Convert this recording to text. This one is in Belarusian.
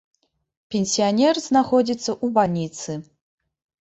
Пенсіянер знаходзіцца ў бальніцы.